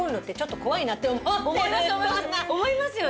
思いますよね。